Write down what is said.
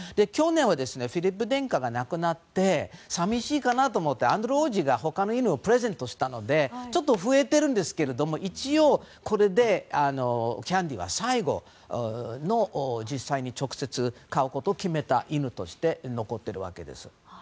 去年はフィリップ殿下が亡くなってさみしいかなと思ってアンドリュー王子が他の犬をプレゼントしたのでちょっと増えてるんですけど一応、キャンディは最後の、直接に飼うことを決めた犬として残っているわけです。